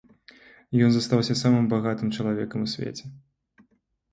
Ён застаўся самым багатым чалавекам у свеце.